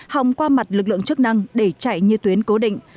hòng qua mặt lực lượng chức năng để chạy như tuyến cố định